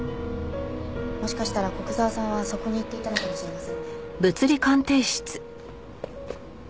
もしかしたら古久沢さんはそこに行っていたのかもしれませんね。